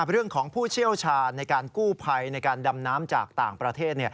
ผู้เชี่ยวชาญในการกู้ภัยในการดำน้ำจากต่างประเทศ